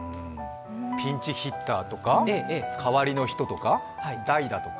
ピンチヒッターとか、代わりの人とか、代打とか？